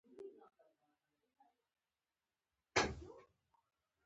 مهرباني وکړه دروازه راخلاصه کړه.